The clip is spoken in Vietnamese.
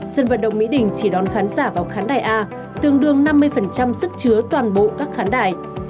sân vận động mỹ đình chỉ đón khán giả vào khán đài a tương đương năm mươi sức chứa toàn bộ các khán đài